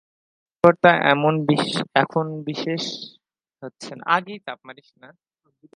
কথাবার্তা এখন বিশেষ হচ্ছে না।